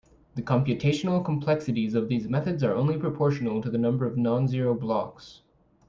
The computational complexities of these methods are only proportional to the number of non-zero blocks.